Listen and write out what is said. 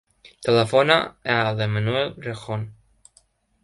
Telefona a l'Emanuel Rejon.